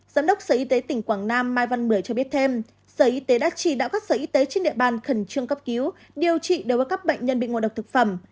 giám đốc sở y tế tỉnh quảng nam mai văn bưởi cho biết thêm sở y tế đã chỉ đạo các sở y tế trên địa bàn khẩn trương cấp cứu điều trị đối với các bệnh nhân bị ngộ độc thực phẩm